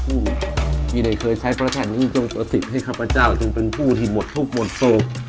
ผู้ที่ได้เคยใช้พระธาตุนี้จงประสิทธิ์ให้ข้าพเจ้าจงเป็นผู้ที่หมดทุกข์หมดโศก